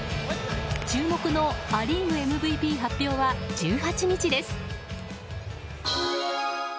注目のア・リーグＭＶＰ発表は１８日です。